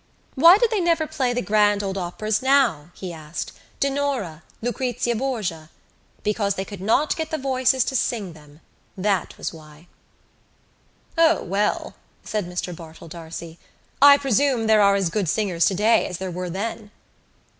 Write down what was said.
Why did they never play the grand old operas now, he asked, Dinorah, Lucrezia Borgia? Because they could not get the voices to sing them: that was why. "Oh, well," said Mr Bartell D'Arcy, "I presume there are as good singers today as there were then."